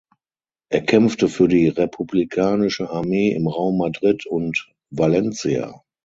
Er kämpfte für die republikanische Armee im Raum Madrid und Valencia.